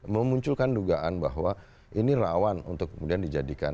memunculkan dugaan bahwa ini rawan untuk kemudian dijadikan